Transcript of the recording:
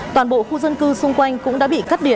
toàn bộ khu dân cư xung quanh cũng đã bị cắt điện